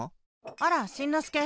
あらしんのすけ。